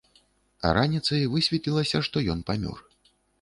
А раніцай высветлілася, што ён памёр.